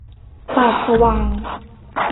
ปากสว่าง